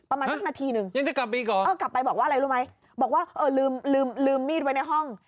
ประมาณสักนาทีหนึ่งเออกลับไปบอกว่าอะไรรู้ไหมบอกว่าลืมมีดไว้ในห้อง